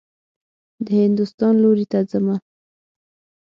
د هندوستان لوري ته حمه.